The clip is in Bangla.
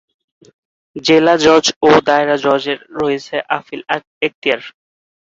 জেলা জজ ও দায়রা জজ এর রয়েছে আপিল এখতিয়ার।